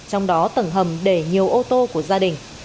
trong đó tầng hầm để nhiều ô tô của gia đình